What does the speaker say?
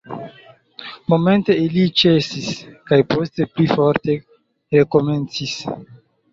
Momente ili ĉesis, kaj poste pli forte rekomencis.